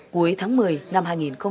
cuối tháng một mươi năm hai nghìn hai mươi